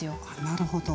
なるほど。